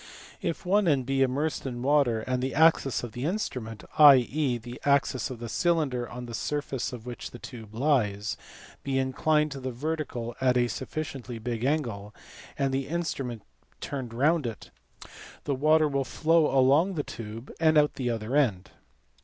If one end be immersed in water, and the axis of the instrument (i.e. the axis of the cylinder on the surface of which the tube lies) be inclined to the vertical at a sufficiently big angle, and the instrument turned round it, the water will flow along the tube and out at the other end.